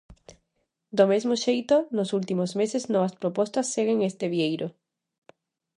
Do mesmo xeito, nos últimos meses novas propostas seguen este vieiro.